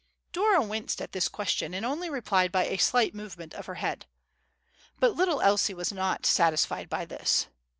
Dora winced at the question, and only replied by a slight movement of her head. But little Elsie was not satisfied by this.